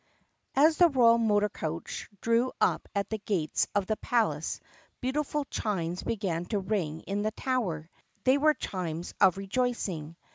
A S the royal motor coach drew up at the gates of the palace beautiful chimes began to ring in the tower. They were chimes of rejoicing.